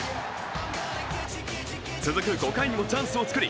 続く５回にもチャンスをつくり